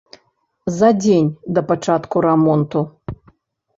За дзень да пачатку рамонту.